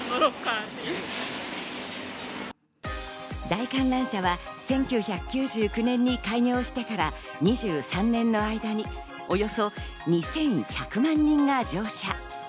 大観覧車は１９９９年に開業してから２３年の間におよそ２１００万人が乗車。